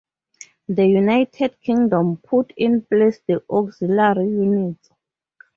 The United Kingdom put in place the Auxiliary Units.